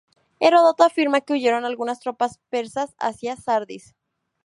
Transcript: Heródoto afirma que huyeron algunas tropas persas hacia Sardes.